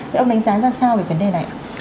vậy ông đánh giá ra sao về vấn đề này